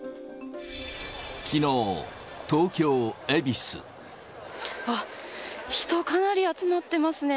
きのう、あっ、人、かなり集まってますね。